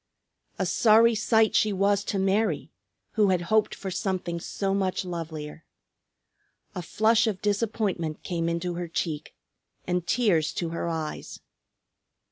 A sorry sight she was to Mary, who had hoped for something so much lovelier. A flush of disappointment came into her cheek, and tears to her eyes.